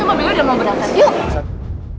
sudah mobilnya udah mau berangkat yuk